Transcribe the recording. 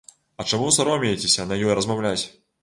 А чаму саромеецеся на ёй размаўляць?